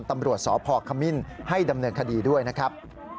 ตำรวจสพคมิ้นให้ดำเนินคดีด้วยนะครับ